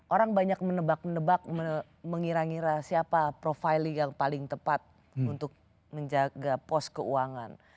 orang banyak menebak menebak mengira ngira siapa profiling yang paling tepat untuk menjaga pos keuangan